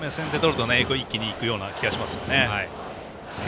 先手を取れば一気にいくような気がします。